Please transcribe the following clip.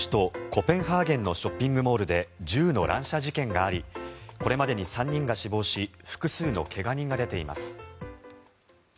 コペンハーゲンのショッピングモールで銃の乱射事件がありこれまでに３人が死亡し複数の怪我人が出ています。